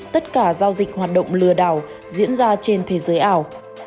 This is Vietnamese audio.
tất cả giao dịch hoạt động lừa đảo diễn ra trên thế giới ảo